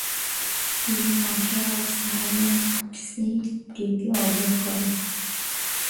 তিনি master of science degree অর্জন করেন।